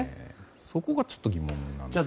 そこがちょっと疑問ですよね。